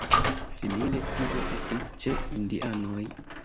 Simile tio estis ĉe indianoj.